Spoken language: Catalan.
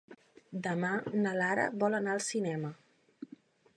Demà na Lara vol anar al cinema.